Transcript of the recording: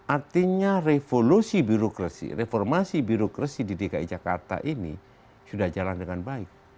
artinya revolusi birokrasi reformasi birokrasi di dki jakarta ini sudah jalan dengan baik